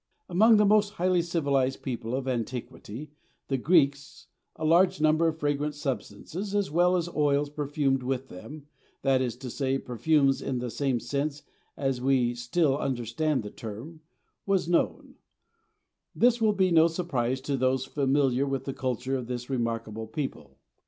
Among the most highly civilized people of antiquity, the Greeks, a large number of fragrant substances, as well as oils perfumed with them—that is to say, perfumes in the same sense as we still understand the term—was known; this will be no surprise to those familiar with the culture of this remarkable people.